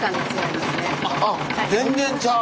あっ全然ちゃう！